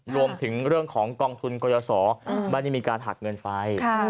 รวมถึงเรื่องของกองทุนโกยสอบ้านนี้มีการหักเงินไฟ